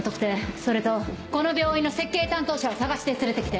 それとこの病院の設計担当者を探して連れてきて。